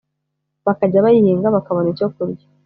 bakajya bayihinga bakabona icyo kurya